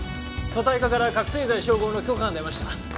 組対課から覚醒剤照合の許可が出ました。